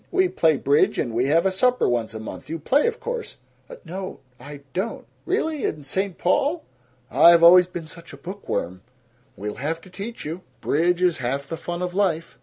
We play bridge and we have a supper once a month. You play, of course?" "N no, I don't." "Really? In St. Paul?" "I've always been such a book worm." "We'll have to teach you. Bridge is half the fun of life."